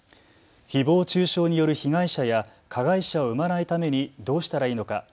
ひぼう中傷による被害者や加害者を生まないためにどうしたらいいのか。